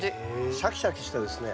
シャキシャキしたですね